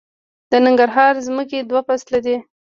د ننګرهار ځمکې دوه فصله دي